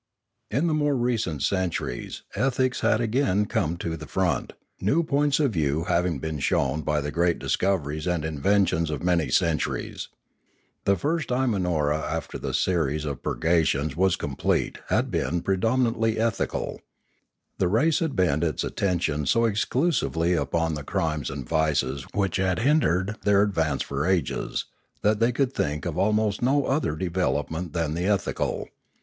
In the more recent centuries ethics had again come to the front, new points of view having been shown by the great discoveries and inventions of many centuries. The first Imanora after the series of purgations was complete had been predominantly ethical. The race had bent its attention so exclusively upon the crimes and vices which had hindered their advance for ages, that they could think of almost no other development than the ethical.